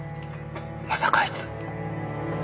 まさかあいつ。